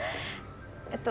えっと